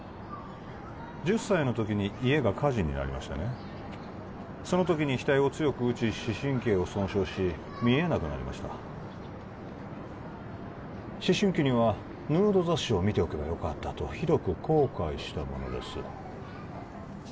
１０歳の時に家が火事になりましてねその時に額を強く打ち視神経を損傷し見えなくなりました思春期にはヌード雑誌を見ておけばよかったとひどく後悔したものです